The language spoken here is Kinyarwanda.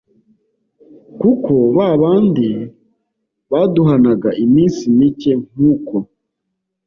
kuko ba bandi baduhanaga iminsi mike nk uko